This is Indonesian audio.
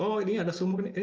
oh ini ada sumur ini